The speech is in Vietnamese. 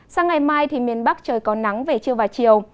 sang ngày mai thì miền bắc trời có nắng về trưa và chiều